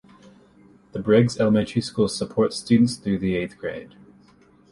The Briggs Elementary School supports students through the eighth grade.